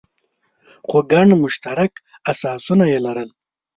خو ګڼ مشترک اساسونه یې لرل.